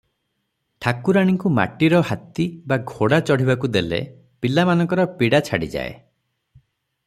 ଠାକୁରାଣୀଙ୍କୁ ମାଟିର ହାତୀ ବା ଘୋଡା ଚଢ଼ିବାକୁ ଦେଲେ ପିଲାମାନଙ୍କର ପୀଡ଼ା ଛାଡିଯାଏ ।